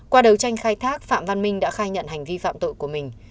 qua đấu tranh khai thác phạm văn minh đã khai nhận hành vi phạm tội của mình